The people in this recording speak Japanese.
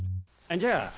じゃあ。